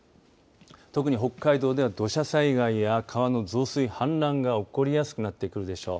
特に北海道では土砂災害や川の増水、氾濫が起こりやすくなってくるでしょう。